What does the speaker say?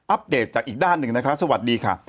เดตจากอีกด้านหนึ่งนะคะสวัสดีค่ะ